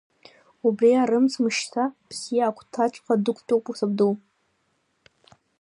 Убри арымӡ мышьҭа бзиа агәҭаҵәҟьа дықәтәоуп сабду.